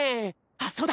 あっそうだ！